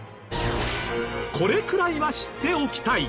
これくらいは知っておきたい！